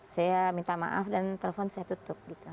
saya minta maaf dan telepon saya tutup